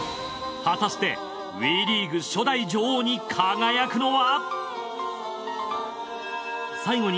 果たしてＷＥリーグ初代女王に輝くのは！？